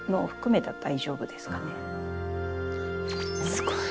すごい。